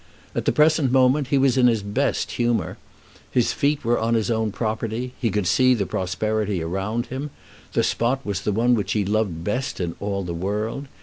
At the present moment he was in his best humour. His feet were on his own property. He could see the prosperity around him. The spot was the one which he loved best in all the world.